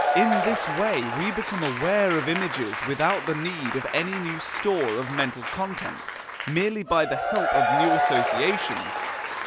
In this way we become aware of images without the need of any new store of mental contents, merely by the help of new associations.